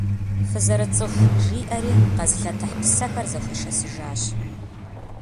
Фызэрыцӏыху, — жиӏэри къэзылъэтыхь псэхэр зэхуишэсыжащ.